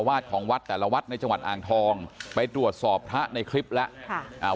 ของวัดแต่ละวัดในจังหวัดอ่างทองไปตรวจสอบพระในคลิปแล้วค่ะอ่า